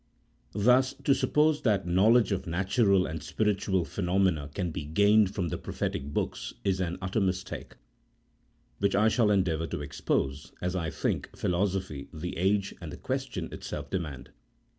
Thus to suppose that knowledge of natural and spiritual phenomena can be gained from the prophetic books, is an utter mistake, which I shall endeavour to expose, as I think philosophy, the age, and the question itself demand.